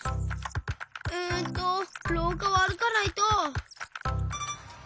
うんとろうかはあるかないと。